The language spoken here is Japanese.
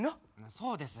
そうです。